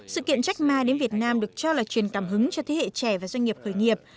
sự kiện checkma đến việt nam được cho là truyền cảm hứng cho thế hệ trẻ và doanh nghiệp khởi nghiệp